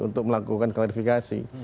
untuk melakukan klarifikasi